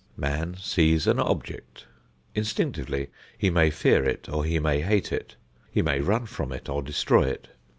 Man sees an object. Instinctively he may fear it or he may hate it. He may run from it or destroy it.